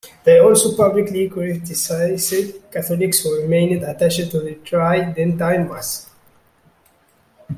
They also publicly criticised Catholics who remained attached to the Tridentine Mass.